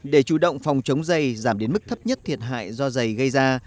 để chủ động phòng chống rầy giảm đến mức thấp nhất thiệt hại do rầy gây ra